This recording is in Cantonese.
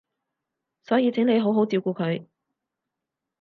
所以請你好好照顧佢